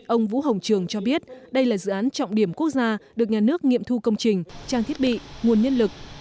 ông vũ hồng trường cho biết đây là dự án trọng điểm quốc gia được nhà nước nghiệm thu công trình trang thiết bị nguồn nhân lực